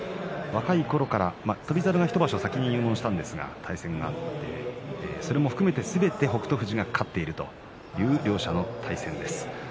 若いころから翔猿は１場所先に入門しましたが対戦があって、それも含めてすべて北勝富士が勝っているという両者の対戦です。